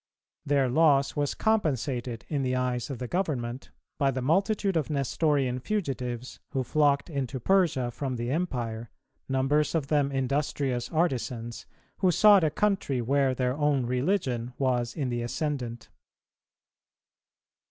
[294:3] Their loss was compensated in the eyes of the Government by the multitude of Nestorian fugitives, who flocked into Persia from the Empire, numbers of them industrious artisans, who sought a country where their own religion was in the ascendant.